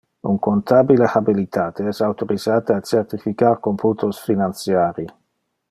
Un contabile habilitate es autorisate a certificar computos financiari.